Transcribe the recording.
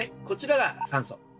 こちらが「酸素」